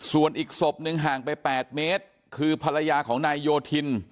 ส่วนอีกศพหนึ่งห่างไป๘เมตรคือภรรยาของนายโยธิน